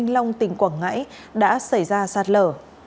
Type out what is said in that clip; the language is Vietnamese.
lông tỉnh quảng ngãi đã xảy ra sạt lở